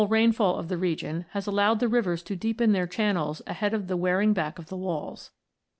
rainfall of the region has allowed the rivers to deepen their channels ahead of the wearing back of the walls.